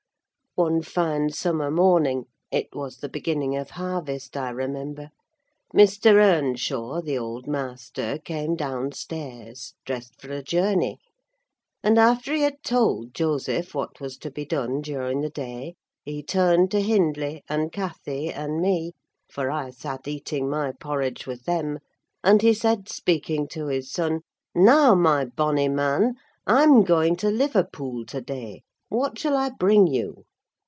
One fine summer morning—it was the beginning of harvest, I remember—Mr. Earnshaw, the old master, came downstairs, dressed for a journey; and, after he had told Joseph what was to be done during the day, he turned to Hindley, and Cathy, and me—for I sat eating my porridge with them—and he said, speaking to his son, "Now, my bonny man, I'm going to Liverpool to day, what shall I bring you?